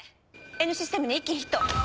Ｎシステムに１件ヒット！